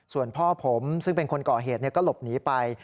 ส่วนพ่อผมซึ่งเป็นคนก่อเหตุก็หลบหนีไป